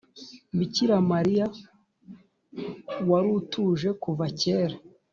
bikira mariya warutuje kuva kera